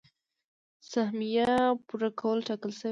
سهميه پوره کولو ټاکل شوي.